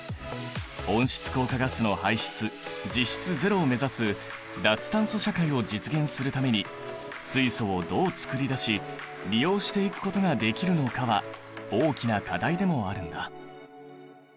温室効果ガスの排出実質ゼロを目指す脱炭素社会を実現するために水素をどうつくり出し利用していくことができるのかは大きな課題でもあるんだ。